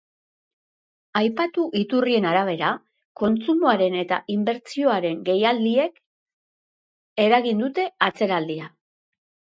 Aipatu iturrien arabera, kontsumoaren eta inbertsioaren geldialdiek eragin dute atzeraldia.